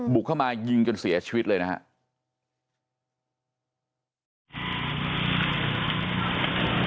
บุกเข้ามายิงจนเสียชีวิตเลยนะครับ